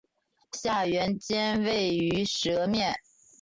下原尖位于舌面。